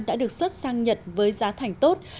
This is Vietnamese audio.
đã được xuất sang nhật với giá thành tốt